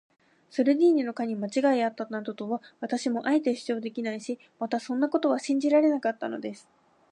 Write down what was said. ソルディーニの課にまちがいがあったなどとは、私もあえて主張できないし、またそんなことは信じられなかったのです。